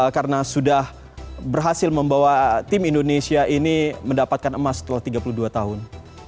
karena sudah berhasil membawa tim indonesia ini mendapatkan emas setelah tiga puluh dua tahun